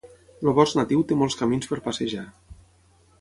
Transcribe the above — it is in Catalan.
El bosc natiu té molts camins per passejar.